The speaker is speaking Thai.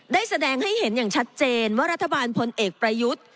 ได้แสดงให้เห็นอย่างชัดเจนว่ารัฐบาลพลเอกประยุทธ์